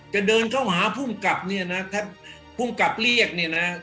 จะเดินเข้าหาภูมิกับเนี่ยนะถ้าภูมิกับเรียกเนี่ยนะ